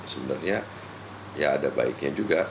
sebenarnya ya ada baiknya juga